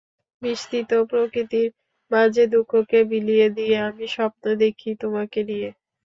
বিস্তৃত প্রকৃতির মাঝে দুঃখকে বিলিয়ে দিয়ে আমি স্বপ্ন দেখি তোমাকে নিয়ে।